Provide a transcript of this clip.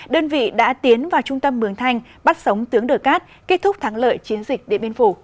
đơn vị đã tiến vào trung tâm mường thanh bắt sống tướng đờ cát kết thúc thắng lợi chiến dịch điện biên phủ